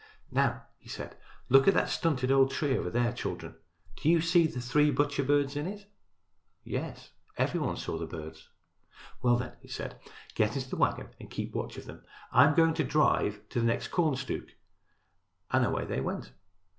"Now," he said, "look at that stunted old tree over there, children. Do you see the three butcher birds in it?" Yes, every one saw the birds. "Well, then," he said, "get into the wagon and keep watch of them. I am going to drive to the next corn stook," and away they went.